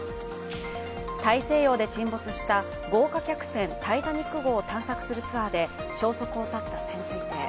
大西洋で沈没した豪華客船「タイタニック」号を探索するツアーで消息を絶った潜水艇。